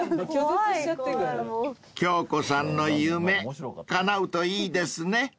［京子さんの夢かなうといいですね］